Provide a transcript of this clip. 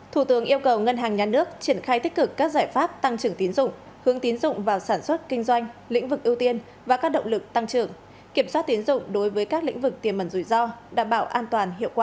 thủ tướng yêu cầu ngân hàng nhà nước triển khai tích cực các giải pháp tăng trưởng tín dụng hướng tín dụng vào sản xuất kinh doanh lĩnh vực ưu tiên và các động lực tăng trưởng kiểm soát tín dụng đối với các lĩnh vực tiềm mẩn rủi ro đảm bảo an toàn hiệu quả